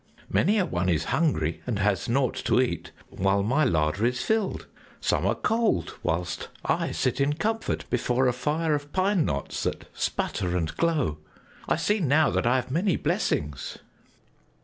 Many a one is hungry and has naught to eat, while my larder is filled; some are cold whilst I sit in comfort before a fire of pine knots that sputter and glow. I see now that I have many blessings."